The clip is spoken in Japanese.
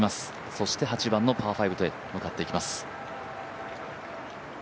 そして８番のパー５へと向かっていきます。